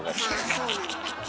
あそうなんだ。